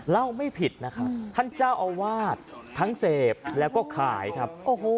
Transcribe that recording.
ไม่ผิดนะครับท่านเจ้าอาวาสทั้งเสพแล้วก็ขายครับ